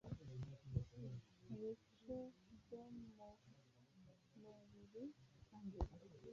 mu bice byo mu mubiri bikangirika